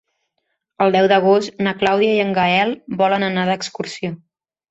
El deu d'agost na Clàudia i en Gaël volen anar d'excursió.